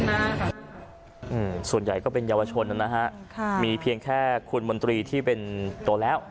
ส่วนใหญ่ก็เป็นเยาวชนนะฮะค่ะมีเพียงแค่คุณมนตรีที่เป็นโตแล้ว